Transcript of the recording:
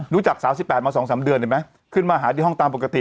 รู้จักสาว๑๘มา๒๓เดือนเห็นไหมขึ้นมาหาที่ห้องตามปกติ